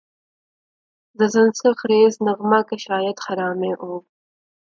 ز سنگ ریزہ نغمہ کشاید خرامِ او